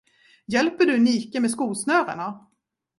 Hjälper du Nike med skosnörena?